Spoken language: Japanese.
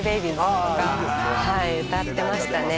歌ってましたね。